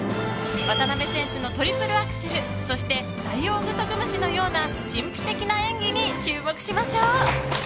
渡辺選手のトリプルアクセルそしてダイオウグソクムシのような神秘的な演技に注目しましょう。